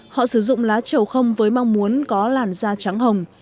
họ sử dụng lá trầu không với mong muốn có làn da trắng hồng